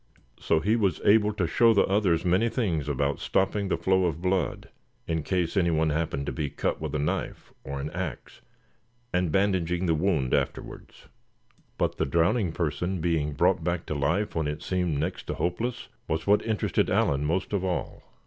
So he was able to show the others many things about stopping the flow of blood in case any one happened to be cut with a knife, or an ax, and bandaging the wound afterwards. But the drowning person being brought back to life when it seemed next to hopeless was what interested Allan most of all.